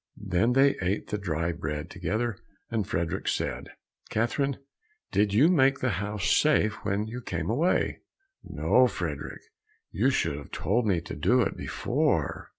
Then they ate the dry bread together, and Frederick said, "Catherine, did you make the house safe when you came away?" "No, Frederick, you should have told me to do it before."